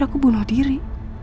aku bunuh diri